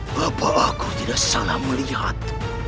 bapak aku tidak salah melihat